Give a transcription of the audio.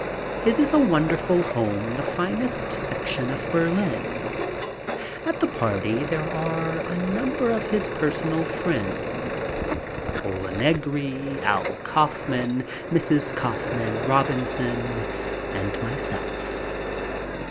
His is a wonderful home in the finest section of Berlin. At the party there are a number of his personal friends, Pola Negri, Al Kaufman, Mrs. Kaufman, Robinson, and myself.